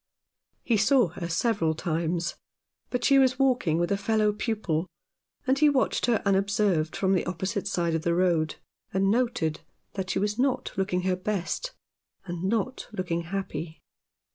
He saw her several times, but she was walking with a fellow pupil, and he watched her unobserved from the opposite side of the road, and noted that she was not looking her best, and not looking happy.